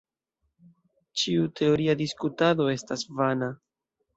Ĉiu teoria diskutado estas vana.